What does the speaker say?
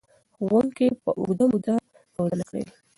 ښوونکي به اوږده موده روزنه کړې وي.